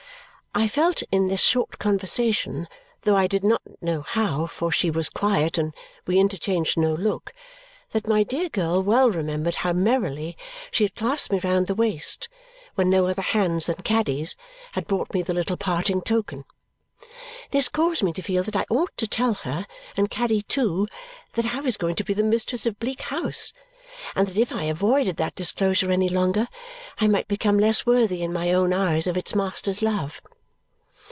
I felt in this short conversation though I did not know how, for she was quiet, and we interchanged no look that my dear girl well remembered how merrily she had clasped me round the waist when no other hands than Caddy's had brought me the little parting token. This caused me to feel that I ought to tell her, and Caddy too, that I was going to be the mistress of Bleak House and that if I avoided that disclosure any longer I might become less worthy in my own eyes of its master's love.